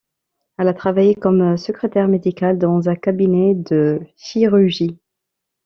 Elle a travaillé comme secrétaire médicale dans un cabinet de chirurgie.